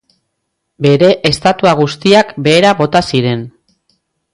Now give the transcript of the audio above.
Bere estatua guztiak behera bota ziren.